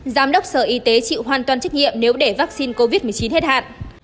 giám đốc sở y tế chịu hoàn toàn trách nhiệm nếu để vaccine covid một mươi chín hết hạn